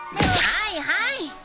はいはい！